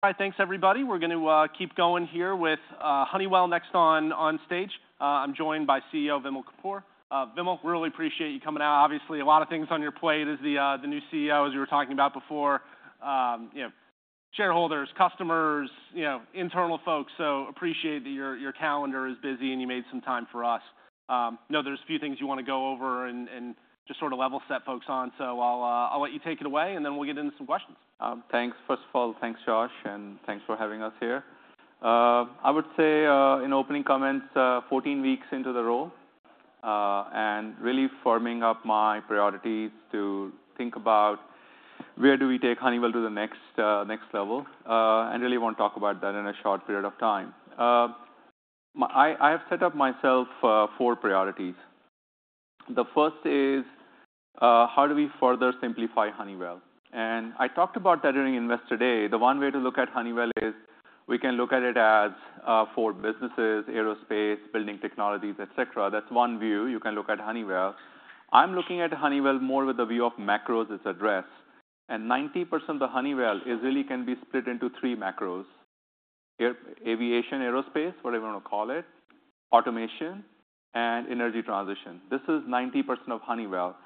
All right, thanks, everybody. We're going to keep going here with Honeywell next on stage. I'm joined by CEO Vimal Kapur. Vimal, really appreciate you coming out. Obviously, a lot of things on your plate as the new CEO, as we were talking about before. You know, shareholders, customers, you know, internal folks, so appreciate that your calendar is busy, and you made some time for us. Know there's a few things you want to go over and just sort of level set folks on. So I'll let you take it away, and then we'll get into some questions. Thanks. First of all, thanks, Josh, and thanks for having us here. I would say, in opening comments, 14 weeks into the role, and really firming up my priorities to think about where do we take Honeywell to the next level? And really want to talk about that in a short period of time. I have set up myself four priorities. The first is, how do we further simplify Honeywell? And I talked about that during Investor Day. The one way to look at Honeywell is we can look at it as four businesses: Aerospace, Building Technologies, et cetera. That's one view you can look at Honeywell. I'm looking at Honeywell more with the view of macros as addressed, and 90% of Honeywell is really can be split into three macros: Air...Aviation, Aerospace, whatever you want to call it, Automation, and Energy Transition. This is 90% of Honeywell.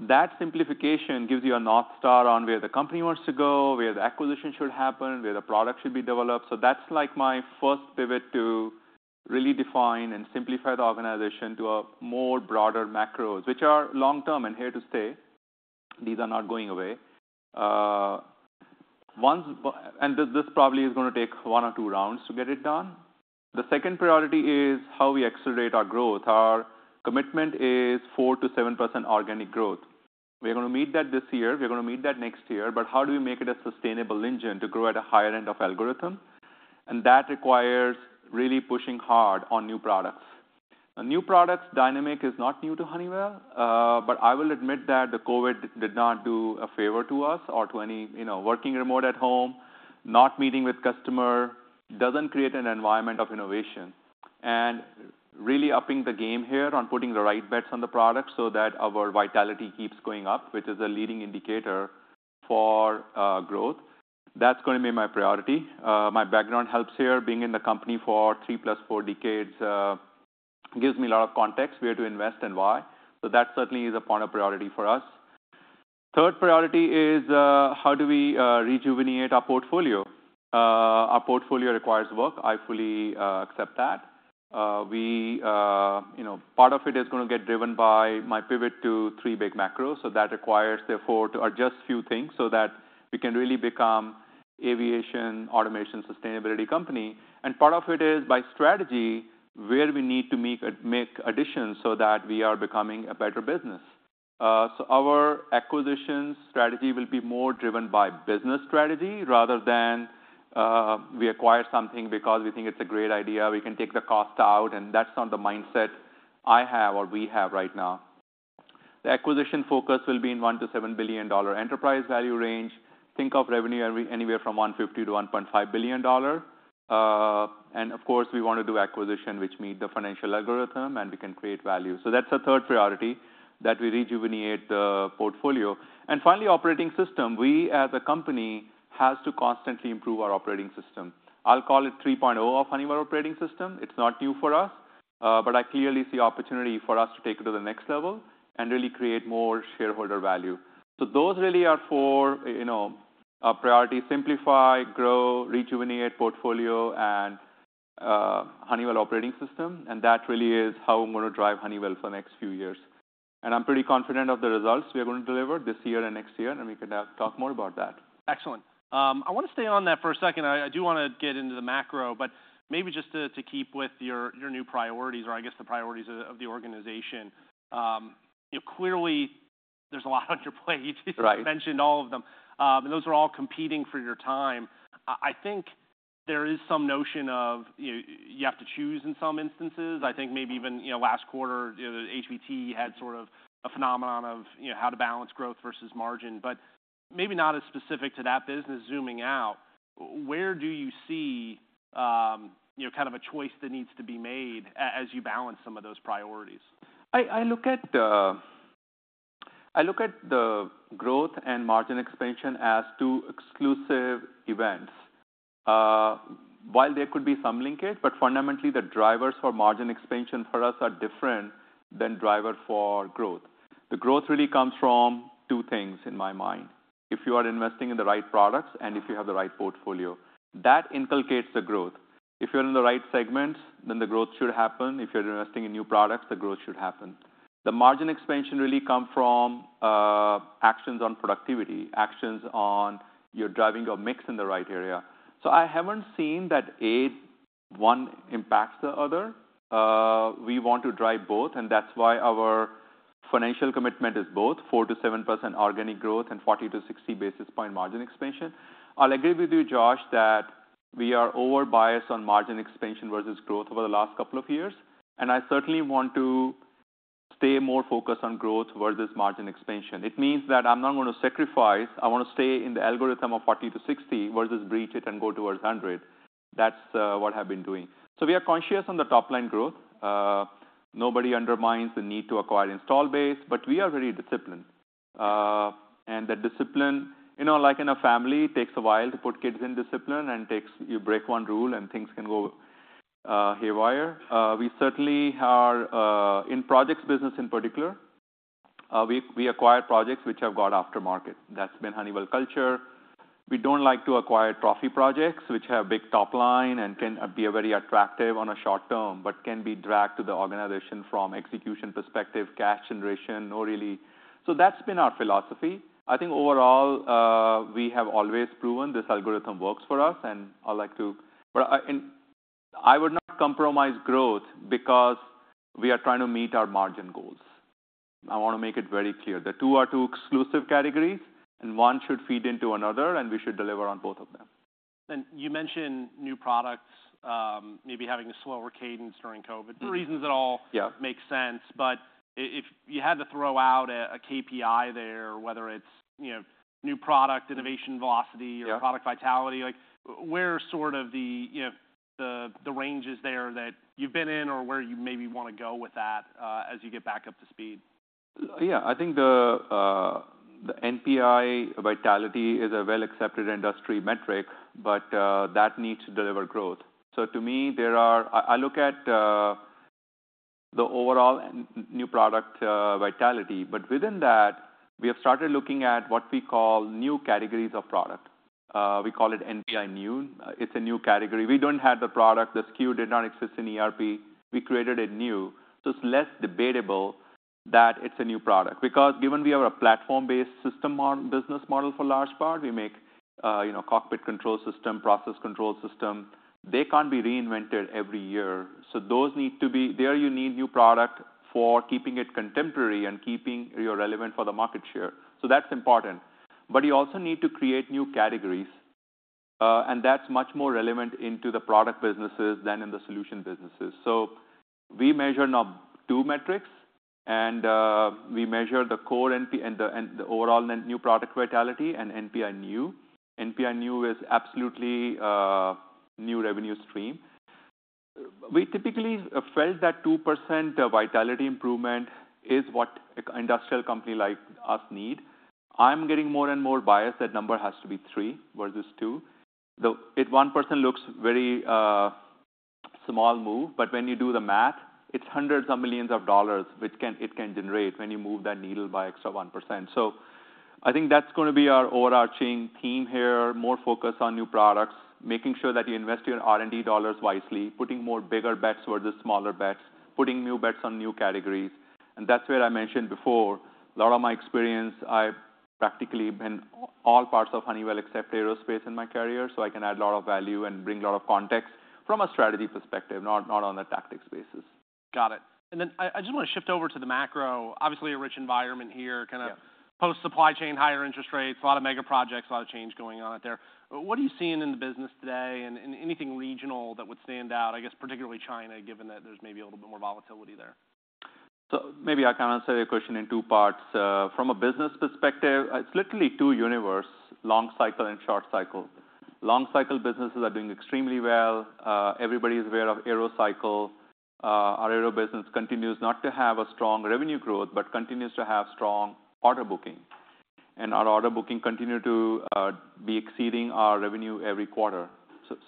That simplification gives you a North Star on where the company wants to go, where the acquisition should happen, where the product should be developed. So that's, like, my first pivot to really define and simplify the organization to a more broader macros, which are long-term and here to stay. These are not going away. And this, this probably is gonna take one or two rounds to get it done. The second priority is how we accelerate our growth. Our commitment is 4%-7% organic growth. We're gonna meet that this year, we're gonna meet that next year, but how do we make it a sustainable engine to grow at a higher end of algorithm? And that requires really pushing hard on new products. A new product dynamics is not new to Honeywell, but I will admit that the COVID did not do a favor to us or to any, you know, working remote at home. Not meeting with customer doesn't create an environment of innovation. And really upping the game here on putting the right bets on the product so that our vitality keeps going up, which is a leading indicator for growth. That's gonna be my priority. My background helps here. Being in the company for three plus four decades gives me a lot of context, where to invest and why. So that certainly is a point of priority for us. Third priority is, how do we, rejuvenate our portfolio? Our portfolio requires work. I fully accept that. We... You know, part of it is gonna get driven by my pivot to 3 big macros, so that requires therefore to adjust few things so that we can really become aviation, automation, sustainability company. And part of it is by strategy, where we need to make a, make additions so that we are becoming a better business. So our acquisition strategy will be more driven by business strategy rather than, we acquire something because we think it's a great idea, we can take the cost out, and that's not the mindset I have or we have right now. The acquisition focus will be in $1-$ 7 billion enterprise value range. Think of revenue anywhere from $150 million - $1.5 billion. And of course, we want to do acquisition which meet the financial algorithm, and we can create value. So that's the third priority, that we rejuvenate the portfolio. And finally, operating system. We, as a company, has to constantly improve our operating system. I'll call it 3.0 of Honeywell Operating System. It's not new for us, but I clearly see opportunity for us to take it to the next level and really create more shareholder value. So those really are four, you know, priorities: simplify, grow, rejuvenate portfolio, and Honeywell Operating System, and that really is how I'm gonna drive Honeywell for next few years. And I'm pretty confident of the results we are going to deliver this year and next year, and we can now talk more about that. Excellent. I want to stay on that for a second. I do want to get into the macro, but maybe just to keep with your new priorities, or I guess the priorities of the organization. You know, clearly there's a lot on your plate. Right. You mentioned all of them. And those are all competing for your time. I think there is some notion of, you have to choose in some instances. I think maybe even, you know, last quarter, you know, HBT had sort of a phenomenon of, you know, how to balance growth versus margin, but maybe not as specific to that business. Zooming out, where do you see, you know, kind of a choice that needs to be made as you balance some of those priorities? I look at the growth and margin expansion as two exclusive events. While there could be some linkage, but fundamentally, the drivers for margin expansion for us are different than driver for growth. The growth really comes from two things in my mind: If you are investing in the right products and if you have the right portfolio. That inculcates the growth. If you're in the right segment, then the growth should happen. If you're investing in new products, the growth should happen. The margin expansion really come from actions on productivity, actions on you're driving your mix in the right area. So I haven't seen that a one impacts the other. We want to drive both, and that's why our financial commitment is both, 4%-7% organic growth and 40-60 basis point margin expansion. I'll agree with you, Josh, that we are over-biased on margin expansion versus growth over the last couple of years, and I certainly want to stay more focused on growth versus margin expansion. It means that I'm not gonna sacrifice. I wanna stay in the algorithm of 40-60 versus breach it and go towards 100. That's what I've been doing. So we are conscious on the top-line growth. Nobody undermines the need to acquire install base, but we are very disciplined. And the discipline, you know, like in a family, it takes a while to put kids in discipline, and takes- You break one rule, and things can go haywire. We certainly are in projects business in particular, we acquire projects which have got aftermarket. That's been Honeywell culture. We don't like to acquire trophy projects, which have big top line and can be very attractive on a short term, but can be dragged to the organization from execution perspective, cash generation, or really... So that's been our philosophy. I think overall, we have always proven this algorithm works for us, and I'd like to- But I, and I would not compromise growth because we are trying to meet our margin goals. I want to make it very clear, the two are two exclusive categories, and one should feed into another, and we should deliver on both of them. You mentioned new products, maybe having a slower cadence during COVID- Mm-hmm. for reasons that all Yeah Makes sense. But if you had to throw out a KPI there, whether it's, you know, new product innovation velocity- Yeah or product vitality, like, where are sort of the, you know, the ranges there that you've been in or where you maybe want to go with that, as you get back up to speed? Yeah, I think the NPI vitality is a well-accepted industry metric, but that needs to deliver growth. So to me, I look at the overall new product vitality. But within that, we have started looking at what we call new categories of product. We call it NPI New. It's a new category. We don't have the product. The SKU did not exist in ERP. We created it new. So it's less debatable that it's a new product. Because given we have a platform-based system business model, for large part, we make you know, cockpit control system, process control system. They can't be reinvented every year, so those need to be... There you need new product for keeping it contemporary and keeping you relevant for the market share. So that's important. But you also need to create new categories, and that's much more relevant into the product businesses than in the solution businesses. So we measure now two metrics, and we measure the core NPI and the overall new product vitality and NPI new. NPI new is absolutely new revenue stream. We typically felt that 2% vitality improvement is what an industrial company like us need. I'm getting more and more biased. That number has to be 3 versus 2, though if one person looks very small move, but when you do the math, it's $ hundreds of millions, which it can generate when you move that needle by extra 1%. So I think that's gonna be our overarching theme here, more focus on new products, making sure that you invest your R&D dollars wisely, putting more bigger bets versus smaller bets, putting new bets on new categories. And that's where I mentioned before, a lot of my experience, I've practically been all parts of Honeywell except Aerospace in my career, so I can add a lot of value and bring a lot of context from a strategy perspective, not, not on a tactics basis. Got it. And then I just want to shift over to the macro. Obviously, a rich environment here- Yeah Kind of post-supply chain, higher interest rates, a lot of mega projects, a lot of change going on out there. What are you seeing in the business today and, and anything regional that would stand out? I guess, particularly China, given that there's maybe a little bit more volatility there. So maybe I can answer your question in two parts. From a business perspective, it's literally two universe: long cycle and short cycle. Long cycle businesses are doing extremely well. Everybody is aware of Aero cycle. Our Aero business continues not to have a strong revenue growth, but continues to have strong order booking, and our order booking continue to be exceeding our revenue every quarter.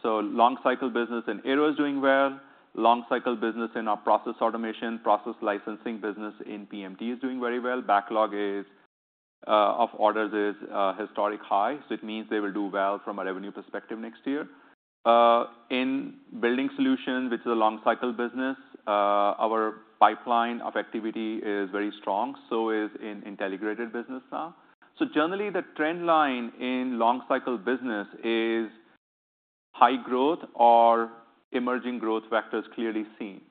So long cycle business in Aero is doing well. Long cycle business in our Process Automation, Process Licensing business in PMT is doing very well. Backlog is of orders is historic high, so it means they will do well from a revenue perspective next year. In Building Solutions, which is a long cycle business, our pipeline of activity is very strong, so is in Intelligrated business now. So generally, the trend line in long cycle business is high growth or emerging growth vectors clearly seen.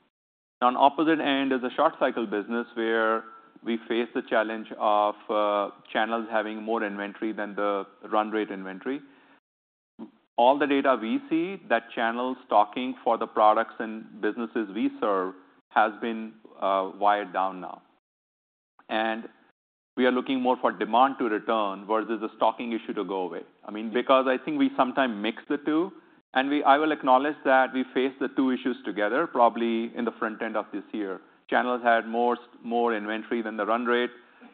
On opposite end is a short cycle business, where we face the challenge of, channels having more inventory than the run rate inventory. All the data we see, that channel stocking for the products and businesses we serve has been, wired down now, and we are looking more for demand to return versus the stocking issue to go away. I mean, because I think we sometimes mix the two, and I will acknowledge that we face the two issues together, probably in the front end of this year. Channels had more inventory than the run rate,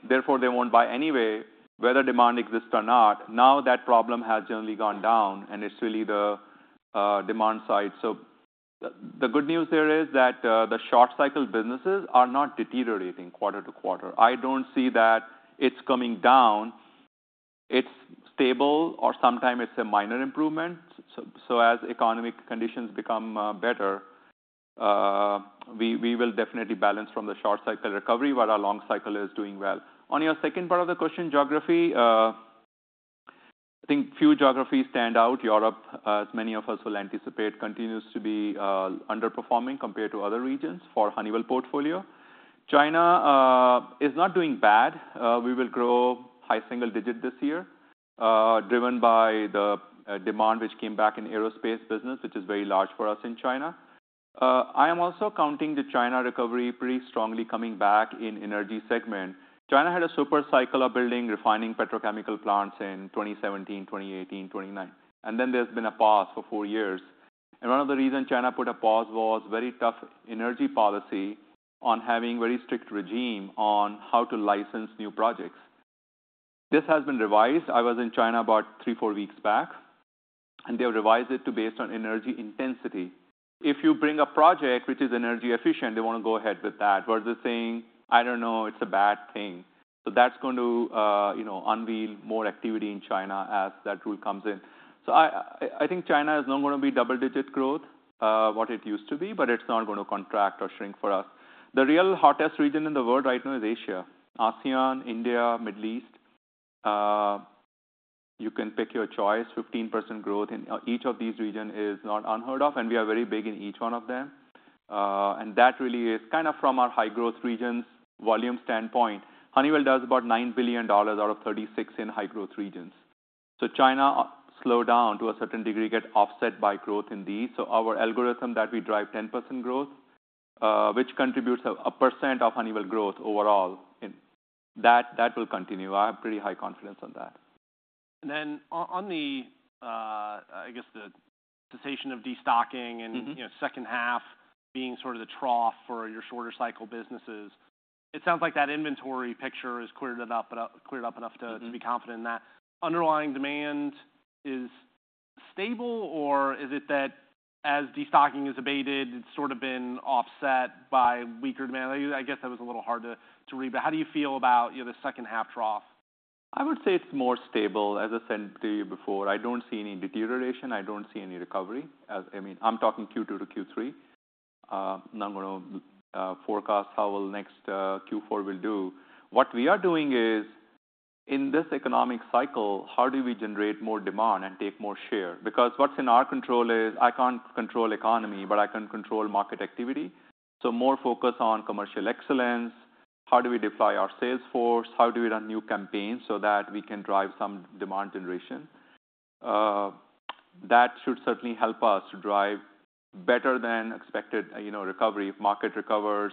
therefore, they won't buy anyway, whether demand exists or not. Now, that problem has generally gone down, and it's really the demand side. So the good news there is that the short cycle businesses are not deteriorating quarter to quarter. I don't see that it's coming down. It's stable or sometime it's a minor improvement. So as economic conditions become better, we will definitely balance from the short cycle recovery, but our long cycle is doing well. On your second part of the question, geography, I think few geographies stand out. Europe, as many of us will anticipate, continues to be underperforming compared to other regions for Honeywell portfolio. China is not doing bad. We will grow high single digit this year, driven by the demand, which came back in Aerospace business, which is very large for us in China. I am also counting the China recovery pretty strongly coming back in energy segment. China had a super cycle of building, refining petrochemical plants in 2017, 2018, 2019, and then there's been a pause for four years. One of the reasons China put a pause was very tough energy policy on having very strict regime on how to license new projects. This has been revised. I was in China about 3-4 weeks back, and they revised it to based on energy intensity. If you bring a project which is energy efficient, they want to go ahead with that, versus saying, I don't know, it's a bad thing. So that's going to, you know, unveil more activity in China as that rule comes in. So I think China is not gonna be double-digit growth what it used to be, but it's not gonna contract or shrink for us. The real hottest region in the world right now is Asia, ASEAN, India, Middle East. You can pick your choice. 15% growth in each of these regions is not unheard of, and we are very big in each one of them. That really is kind of from our High-Growth Regions volume standpoint. Honeywell does about $9 billion out of $36 billion in High-Growth Regions. China slowdown to a certain degree, get offset by growth in these. Our algorithm that we drive 10% growth, which contributes a percent of Honeywell growth overall, in that, that will continue. I have pretty high confidence on that. And then on the, I guess the cessation of destocking- Mm-hmm. and, you know, second half being sort of the trough for your shorter cycle businesses, it sounds like that inventory picture is cleared enough, cleared up enough to— Mm-hmm... to be confident in that. Underlying demand is stable, or is it that as destocking is abated, it's sort of been offset by weaker demand? I guess that was a little hard to read, but how do you feel about, you know, the second half trough? I would say it's more stable. As I said to you before, I don't see any deterioration. I don't see any recovery. I mean, I'm talking Q2 to Q3. I'm not gonna forecast how well next Q4 will do. What we are doing is, in this economic cycle, how do we generate more demand and take more share? Because what's in our control is I can't control economy, but I can control market activity. So more focus on Commercial Excellence. How do we deploy our sales force? How do we run new campaigns so that we can drive some demand generation? That should certainly help us to drive better than expected, you know, recovery. If market recovers,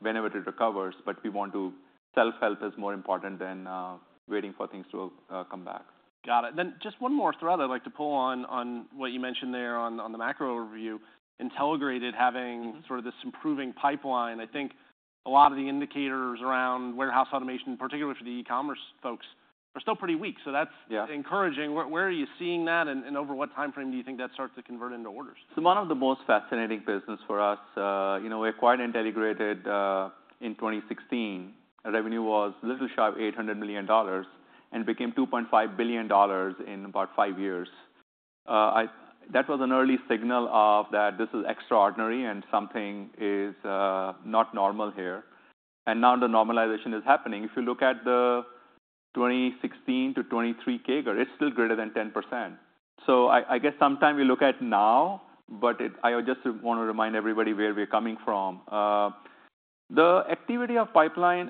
whenever it recovers, but we want to... Self-help is more important than waiting for things to come back. Got it. Then just one more thread I'd like to pull on, on what you mentioned there on, on the macro overview. Intelligrated having- Mm-hmm sort of this improving pipeline. I think a lot of the indicators around warehouse automation, particularly for the e-commerce folks, are still pretty weak, so that's Yeah Encouraging. Where are you seeing that, and over what timeframe do you think that starts to convert into orders? So one of the most fascinating business for us, you know, we acquired Intelligrated in 2016. Revenue was a little shy of $800 million and became $2.5 billion in about five years. That was an early signal of that this is extraordinary and something is not normal here, and now the normalization is happening. If you look at the 2016 to 2023 CAGR, it's still greater than 10%. So I, I guess sometime we look at now, but it... I just want to remind everybody where we're coming from. The activity of pipeline,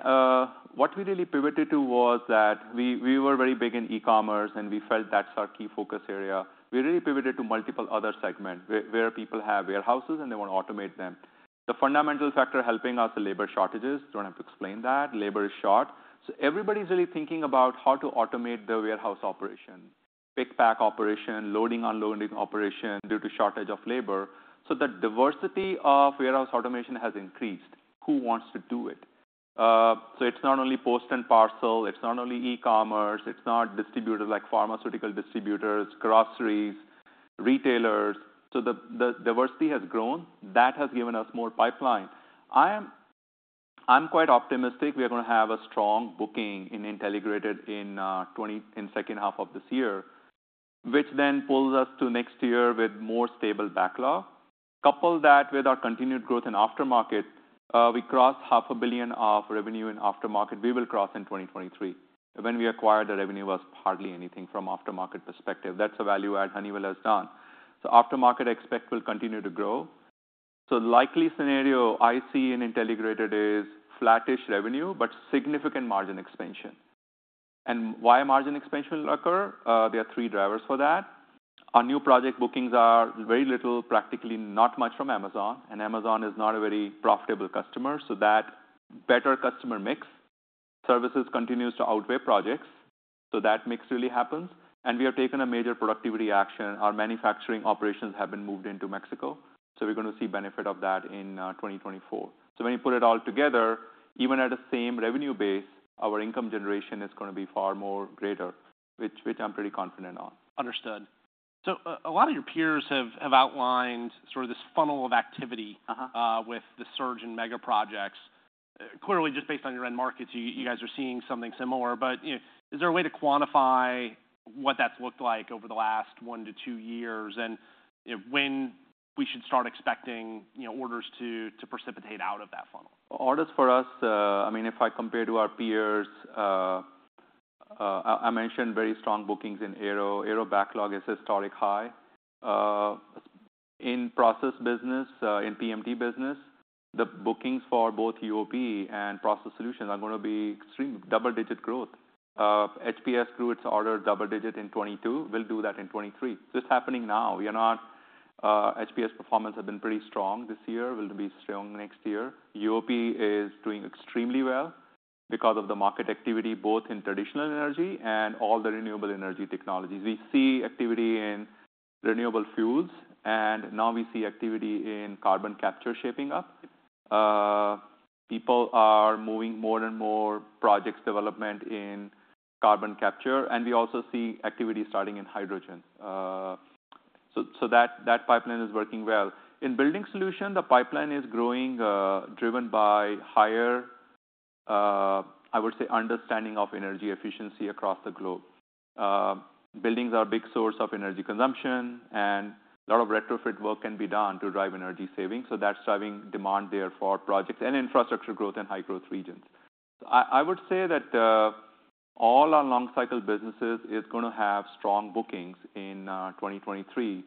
what we really pivoted to was that we, we were very big in e-commerce, and we felt that's our key focus area. We really pivoted to multiple other segments where, where people have warehouses, and they want to automate them. The fundamental factor helping us are labor shortages. Don't have to explain that. Labor is short. So everybody's really thinking about how to automate their warehouse operation, pick-pack operation, loading, unloading operation due to shortage of labor. So the diversity of warehouse automation has increased. Who wants to do it? So it's not only Post and Parcel, it's not only e-commerce, it's not distributors like pharmaceutical distributors, groceries, retailers. So the diversity has grown. That has given us more pipeline. I'm quite optimistic we are gonna have a strong booking in Intelligrated in second half of this year, which then pulls us to next year with more stable backlog. Couple that with our continued growth in aftermarket, we crossed $500 million of revenue in aftermarket. We will cross in 2023. When we acquired, the revenue was hardly anything from aftermarket perspective. That's a value add Honeywell has done. So aftermarket I expect will continue to grow. So the likely scenario I see in Intelligrated is flattish revenue, but significant margin expansion. And why margin expansion will occur? There are three drivers for that. Our new project bookings are very little, practically not much from Amazon, and Amazon is not a very profitable customer, so that better customer mix. Services continues to outweigh projects, so that mix really happens. And we have taken a major productivity action. Our manufacturing operations have been moved into Mexico, so we're going to see benefit of that in 2024. So when you put it all together, even at the same revenue base, our income generation is gonna be far more greater, which, which I'm pretty confident on. Understood. So a lot of your peers have outlined sort of this funnel of activity- Uh-huh With the surge in mega projects. Clearly, just based on your end markets, you, you guys are seeing something similar. But, you know, is there a way to quantify what that's looked like over the last 1-2 years and, you know, when we should start expecting, you know, orders to, to precipitate out of that funnel? Orders for us, I mean, if I compare to our peers, I mentioned very strong bookings in Aero. Aero backlog is historic high. In process business, in PMT business, the bookings for both UOP Process Solutionss are gonna be extreme, double-digit growth. HPS grew its order double digit in 2022, will do that in 2023. This is happening now. We are not... HPS performance have been pretty strong this year, will be strong next year. UOP is doing extremely well... because of the market activity, both in traditional energy and all the renewable energy technologies. We see activity in renewable fuels, and now we see activity in carbon capture shaping up. People are moving more and more projects development in carbon capture, and we also see activity starting in hydrogen. So, so that, that pipeline is working well. In Building Solutions, the pipeline is growing, driven by higher, I would say, understanding of energy efficiency across the globe. Buildings are a big source of energy consumption, and a lot of retrofit work can be done to drive energy savings, so that's driving demand there for projects and infrastructure growth in High-Growth Regions. I would say that all our long cycle businesses is gonna have strong bookings in 2023,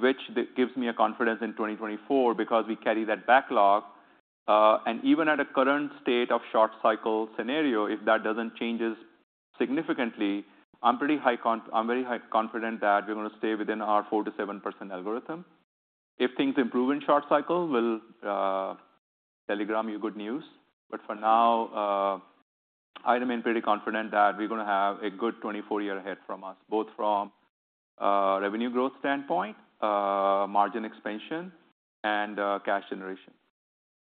which gives me a confidence in 2024 because we carry that backlog. And even at a current state of short cycle scenario, if that doesn't change significantly, I'm very high confident that we're gonna stay within our 4%-7% algorithm. If things improve in short cycle, we'll telegram you good news. But for now, I remain pretty confident that we're gonna have a good 2024 year ahead from us, both from a revenue growth standpoint, margin expansion, and cash generation.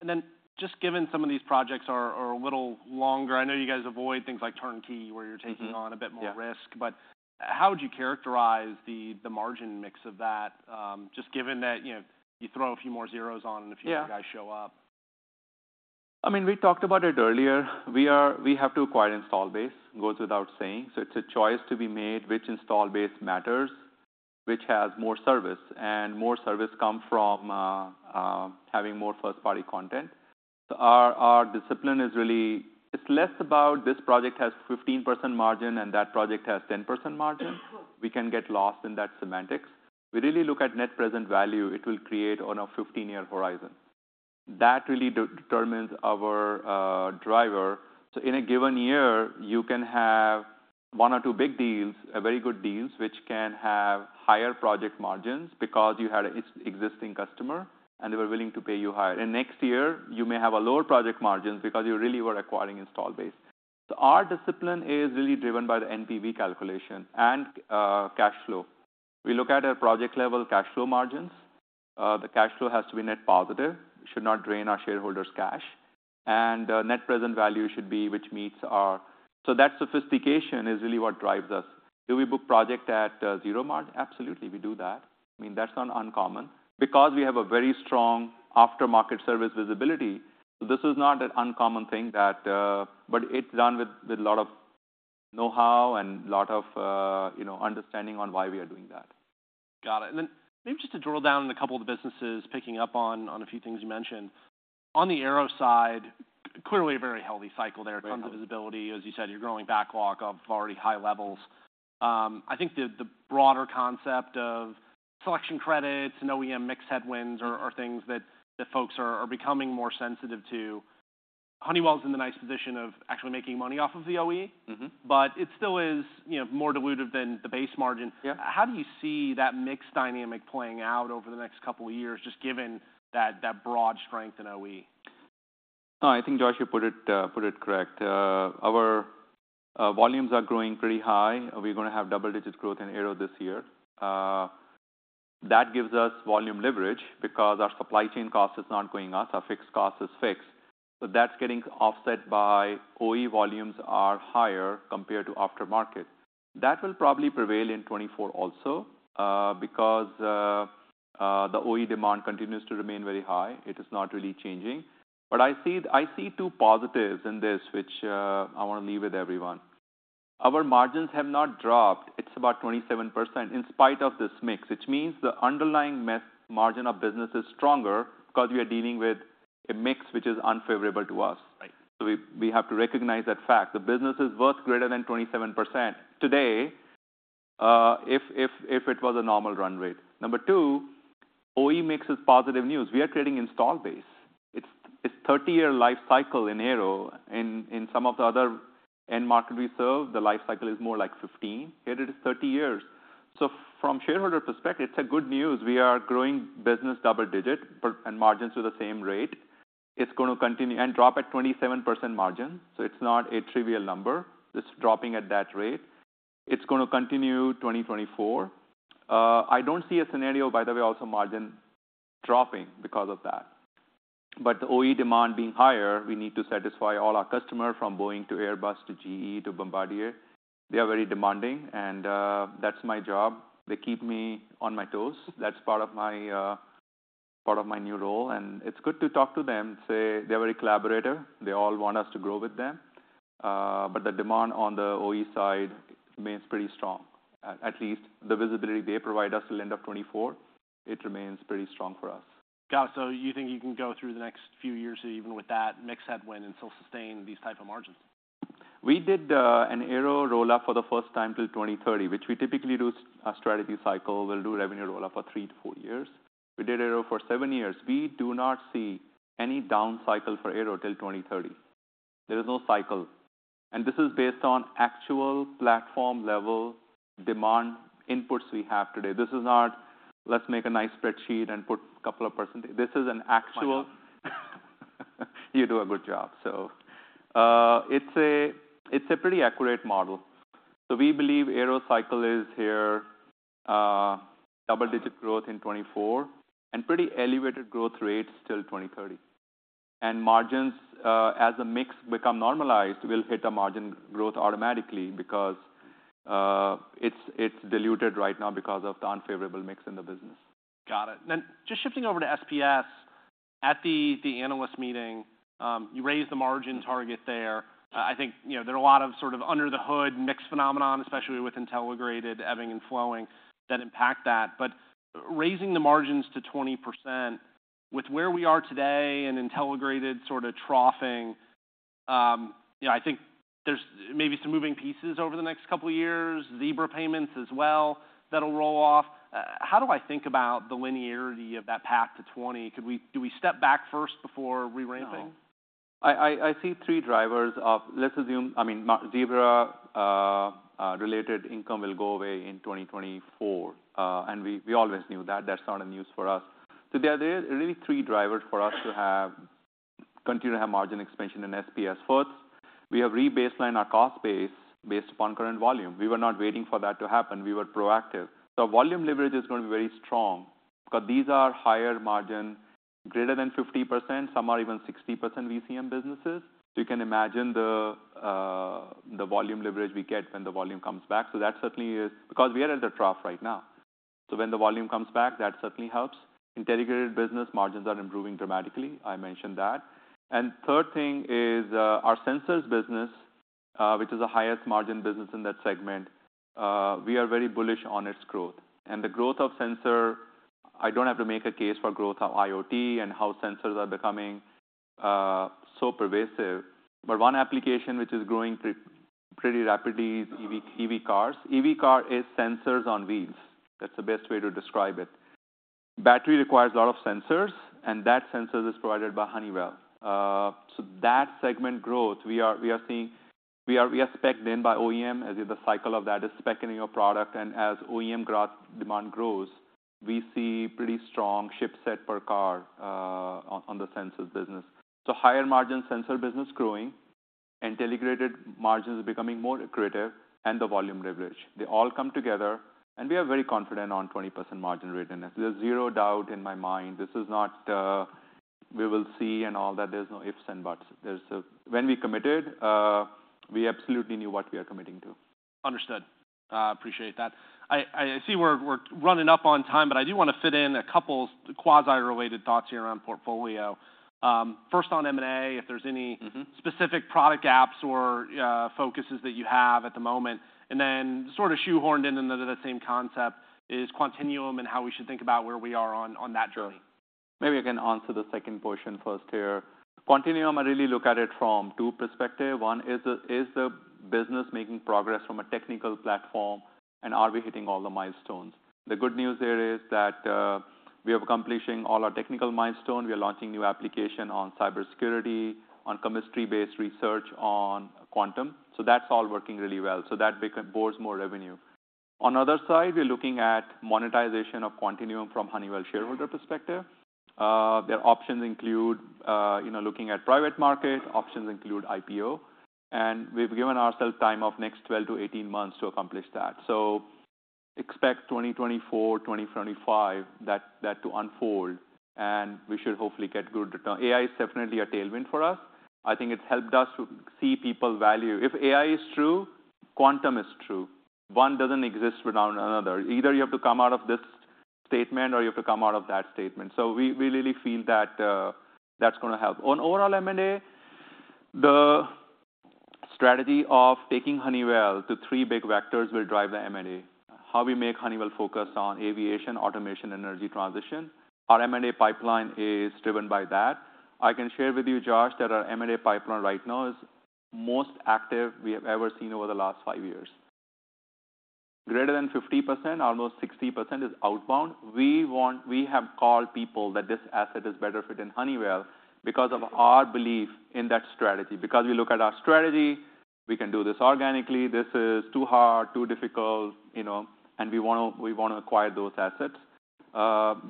And then, just given some of these projects are a little longer, I know you guys avoid things like turnkey, where you're taking on- Mm-hmm. a bit more risk. Yeah. But how would you characterize the margin mix of that? Just given that, you know, you throw a few more zeros on, and a few- Yeah... other guys show up. I mean, we talked about it earlier. We are. We have to acquire install base, goes without saying, so it's a choice to be made, which install base matters, which has more service. And more service come from having more first-party content. So our discipline is really. It's less about this project has 15% margin, and that project has 10% margin. We can get lost in that semantics. We really look at net present value it will create on a 15-year horizon. That really determines our driver. So in a given year, you can have one or two big deals, very good deals, which can have higher project margins because you had existing customer, and they were willing to pay you higher. And next year, you may have a lower project margins because you really were acquiring install base. So our discipline is really driven by the NPV calculation and cash flow. We look at our project-level cash flow margins. The cash flow has to be net positive, it should not drain our shareholders' cash, and net present value should be, which meets our... So that sophistication is really what drives us. Do we book project at zero margin? Absolutely, we do that. I mean, that's not uncommon. Because we have a very strong aftermarket service visibility, so this is not an uncommon thing that... But it's done with a lot of know-how and a lot of you know, understanding on why we are doing that. Got it. And then maybe just to drill down in a couple of the businesses, picking up on a few things you mentioned. On the Aero side, clearly a very healthy cycle there- Very healthy. ton of visibility, as you said, you're growing backlog of already high levels. I think the broader concept of selection credits and OEM mix headwinds are things that folks are becoming more sensitive to. Honeywell is in the nice position of actually making money off of the OE. Mm-hmm. But it still is, you know, more dilutive than the base margin. Yeah. How do you see that mix dynamic playing out over the next couple of years, just given that, that broad strength in OE? I think, Josh, you put it, put it correct. Our volumes are growing pretty high. We're gonna have double-digit growth in Aero this year. That gives us volume leverage because our supply chain cost is not going up, our fixed cost is fixed, so that's getting offset by OE volumes are higher compared to aftermarket. That will probably prevail in 2024 also, because the OE demand continues to remain very high. It is not really changing. But I see, I see two positives in this, which I wanna leave with everyone. Our margins have not dropped. It's about 27% in spite of this mix, which means the underlying margin of business is stronger because we are dealing with a mix which is unfavorable to us. Right. So we have to recognize that fact. The business is worth greater than 27% today, if it was a normal run rate. Number two, OE mix is positive news. We are creating install base. It's 30-year life cycle in Aero. In some of the other end market we serve, the life cycle is more like 15. Here, it is 30 years. So from shareholder perspective, it's a good news. We are growing business double-digit, per- and margins with the same rate. It's gonna continue and drop at 27% margin, so it's not a trivial number. It's dropping at that rate. It's gonna continue 2024. I don't see a scenario, by the way, also margin dropping because of that. But the OE demand being higher, we need to satisfy all our customer, from Boeing to Airbus to GE to Bombardier. They are very demanding, and that's my job. They keep me on my toes. That's part of my part of my new role, and it's good to talk to them, say, they're very collaborator. They all want us to grow with them. But the demand on the OE side remains pretty strong. At least, the visibility they provide us till end of 2024, it remains pretty strong for us. Got it. So you think you can go through the next few years, even with that mix headwind, and still sustain these type of margins? We did an Aero roll-up for the first time till 2030, which we typically do a strategy cycle. We'll do revenue roll-up for 3-4 years. We did Aero for 7 years. We do not see any down cycle for Aero till 2030. There is no cycle. And this is based on actual platform level demand inputs we have today. This is not, Let's make a nice spreadsheet and put a couple of percent. This is an actual- You do a good job. So, it's a, it's a pretty accurate model. So we believe Aero cycle is here, double-digit growth in 2024, and pretty elevated growth rates till 2030. And margins, as the mix become normalized, will hit a margin growth automatically because, it's, it's diluted right now because of the unfavorable mix in the business. Got it. Then just shifting over to SPS. At the analyst meeting, you raised the margin target there. I think, you know, there are a lot of sort of under-the-hood mix phenomenon, especially with Intelligrated, ebbing and flowing, that impact that. But raising the margins to 20% with where we are today and Intelligrated sort of troughing, you know, I think there's maybe some moving pieces over the next couple of years, Zebra payments as well, that'll roll off. How do I think about the linearity of that path to 20? Could we- do we step back first before reramping? No. I see three drivers of... Let's assume, I mean, Zebra related income will go away in 2024, and we always knew that. That's not news for us. So there are really three drivers for us to have, continue to have margin expansion in SPS. First, we have rebaselined our cost base based upon current volume. We were not waiting for that to happen. We were proactive. So volume leverage is going to be very strong because these are higher margin, greater than 50%, some are even 60% VCM businesses. So you can imagine the volume leverage we get when the volume comes back. So that certainly is, because we are at a trough right now. So when the volume comes back, that certainly helps. Intelligrated business margins are improving dramatically, I mentioned that. And third thing is, our sensors business, which is the highest margin business in that segment, we are very bullish on its growth. And the growth of sensor, I don't have to make a case for growth of IoT and how sensors are becoming so pervasive. But one application, which is growing pretty rapidly, is EV, EV cars. EV car is sensors on wheels. That's the best way to describe it. Battery requires a lot of sensors, and that sensors is provided by Honeywell. So that segment growth, we are seeing we are spec'd in by OEM, as the cycle of that is spec-ing your product, and as OEM growth, demand grows, we see pretty strong shipset per car, on the sensors business. So higher margin sensor business growing, Intelligrated margins are becoming more accretive, and the volume leverage. They all come together, and we are very confident on 20% margin rate in this. There's zero doubt in my mind. This is not, we will see and all that. There's no ifs and buts. There's. When we committed, we absolutely knew what we are committing to. Understood. Appreciate that. I see we're running up on time, but I do want to fit in a couple quasi-related thoughts here around portfolio. First on M&A, if there's any- Mm-hmm. -specific product gaps or, focuses that you have at the moment. And then sort of shoehorned in the same concept, is Quantinuum and how we should think about where we are on that journey. Maybe I can answer the second portion first here. Quantinuum, I really look at it from two perspectives. One, is the business making progress from a technical platform, and are we hitting all the milestones? The good news there is that we are completing all our technical milestones. We are launching new applications on cybersecurity, on chemistry-based research on quantum, so that's all working really well. So that brings more revenue. On the other side, we're looking at monetization of Quantinuum from Honeywell shareholder perspective. Their options include, you know, looking at private market, options include IPO, and we've given ourselves time of next 12-18 months to accomplish that. So expect 2024, 2025, that to unfold, and we should hopefully get good return. AI is definitely a tailwind for us. I think it's helped us to see people value. If AI is true, Quantum is true. One doesn't exist without another. Either you have to come out of this statement, or you have to come out of that statement. So we, we really feel that, that's gonna help. On overall M&A, the strategy of taking Honeywell to three big vectors will drive the M&A. How we make Honeywell focus on aviation, automation, energy transition. Our M&A pipeline is driven by that. I can share with you, Josh, that our M&A pipeline right now is most active we have ever seen over the last five years. Greater than 50%, almost 60% is outbound. We have called people that this asset is better fit in Honeywell because of our belief in that strategy. Because we look at our strategy, we can do this organically, this is too hard, too difficult, you know, and we wanna, we wanna acquire those assets.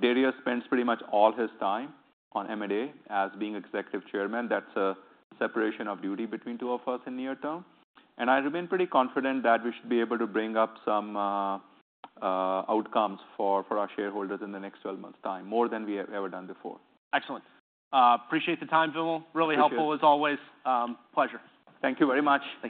Darius spends pretty much all his time on M&A as being Executive Chairman. That's a separation of duty between two of us in near term. And I remain pretty confident that we should be able to bring up some outcomes for our shareholders in the next 12 months' time, more than we have ever done before. Excellent. Appreciate the time, Vimal. Appreciate it. Really helpful as always. Pleasure. Thank you very much. Thank you.